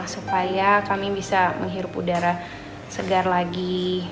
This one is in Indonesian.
supaya kami bisa menghirup udara segar lagi